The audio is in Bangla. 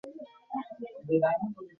জানি না, মার পেটিকোট পরে কোথায় লুকিয়ে আছে!